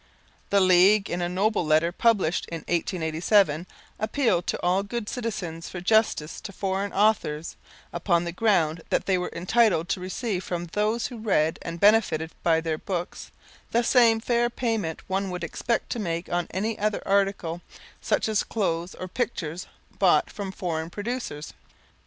The League in a noble letter published in 1887 appealed to all good citizens for justice to foreign authors, upon the ground that they were entitled to receive from those who read and benefitted by their books, the same fair payment one would expect to make on any other article, such as clothes or pictures bought from foreign producers.